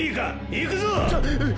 行くぞッ！